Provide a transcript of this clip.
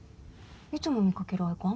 いつも見かけるアイコン